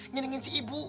nyendangin si ibu